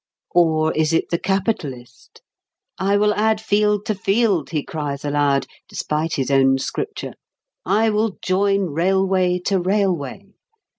Or is it the capitalist? "I will add field to field," he cries aloud, despite his own Scripture; "I will join railway to railway.